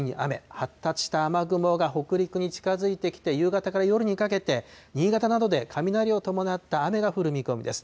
発達した雨雲が北陸に近づいてきて、夕方から夜にかけて、新潟などで雷を伴った雨が降る見込みです。